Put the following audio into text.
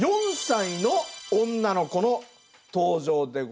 ４歳の女の子の登場でございます。